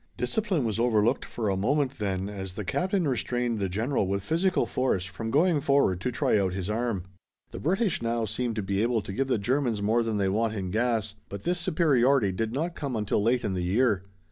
Discipline was overlooked for a moment then as the captain restrained the General with physical force from going forward to try out his arm. The British now seem to be able to give the Germans more than they want in gas, but this superiority did not come until late in the year.